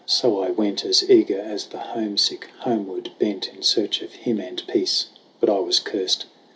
So I went, As eager as the homesick homeward bent, In search of him and peace. But I was cursed.